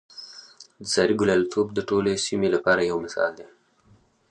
د سارې ګلالتوب د ټولې سیمې لپاره یو مثال دی.